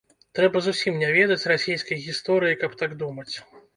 Трэба зусім не ведаць расейскай гісторыі, каб так думаць.